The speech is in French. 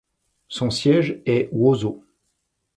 Son siège est Wausau.